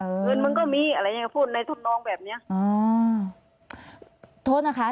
เงินมันก็มีอะไรอย่างเงี้พูดในธรรมนองแบบเนี้ยอ่าโทษนะคะ